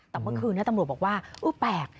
แต่เมื่อคืนนี้ตำรวจบอกว่าเออแปลก